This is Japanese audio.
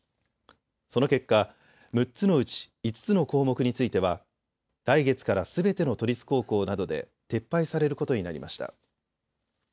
その結果、６つのうち５つの項目については来月からすべての都立高校などで撤廃されることになりました。